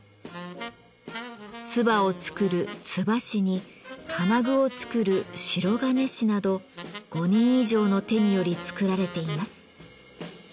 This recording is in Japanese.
鍔を作る「鍔師」に金具を作る「白銀師」など５人以上の手により作られています。